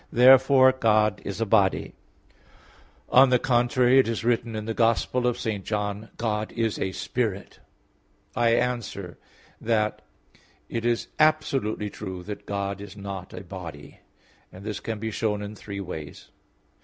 Therefore God is a body. On the contrary, It is written in the Gospel of St. John (John 4:24): "God is a spirit." I answer that, It is absolutely true that God is not a body; and this can be shown in three ways.